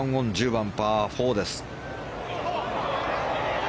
１０番、パー４です。